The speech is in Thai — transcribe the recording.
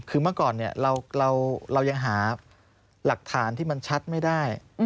คือเมื่อก่อนเรายังหาหลักฐานที่มันชัดไม่ได้